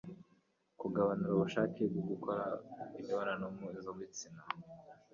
kugabanura ubushake bwo gukora imibonano mpuzabitsina